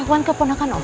laluan keponakan om